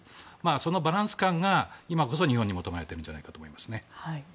そのバランス感が今こそ日本に求められているんじゃないかと思いますね。